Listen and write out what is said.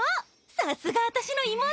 さすが私の妹！